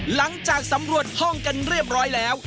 หลังจากสำรวจห้องกันเรียบร้อยแล้ว